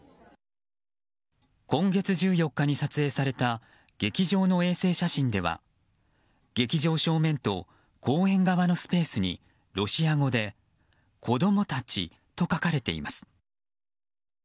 今月１４日に撮影された劇場の衛星写真では劇場正面と、公園側のスペースにロシア語で「子供たち」と書かれています。